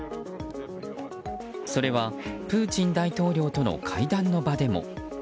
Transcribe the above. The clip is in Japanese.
それはプーチン大統領との会談の場でも。